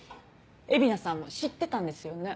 蝦名さんも知ってたんですよね？